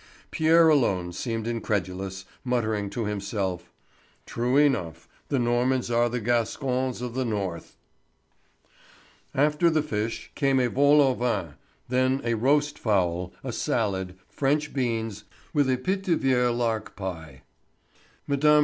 Pierre alone seemed incredulous, muttering to himself: "True enough, the Normans are the Gascons of the north!" After the fish came a vol au vent, then a roast fowl, a salad, French beans with a Pithiviers lark pie. Mme.